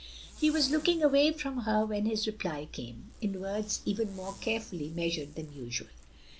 He was looking away from her when his reply came, in words even more carefully meastired than usual.